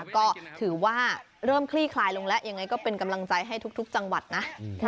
ก็ถือว่าเริ่มคลี่คลายลงแล้วยังไงก็เป็นกำลังใจให้ทุกจังหวัดนะ